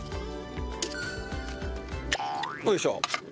よいしょ！